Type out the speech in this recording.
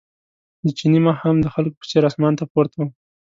د چیني مخ هم د خلکو په څېر اسمان ته پورته و.